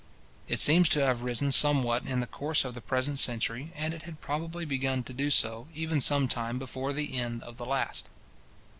It seems to have risen somewhat in the course of the present century, and it had probably begun to do so, even some time before the end of the last.